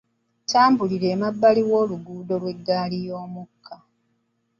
Ttambulira emabbali w'oluguudo lw'eggaali y'omukka.